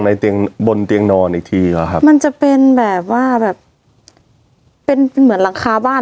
ในเตียงบนเตียงนอนอีกทีอ่ะครับมันจะเป็นแบบว่าแบบเป็นเหมือนหลังคาบ้าน